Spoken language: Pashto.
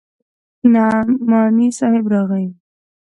نعماني صاحب راغى.